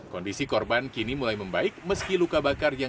kondisi korban kini mulai membaik